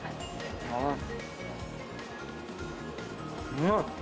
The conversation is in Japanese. うん！